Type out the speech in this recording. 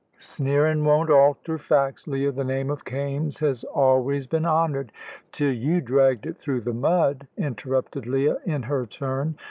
"Sneerin' won't alter facts, Leah. The name of Kaimes has always been honoured " "Till you dragged it through the mud," interrupted Leah, in her turn.